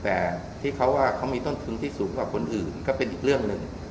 แต่ที่เขาว่าเขามีต้นทุนที่สูงกว่าคนอื่นก็เป็นอีกเรื่องหนึ่ง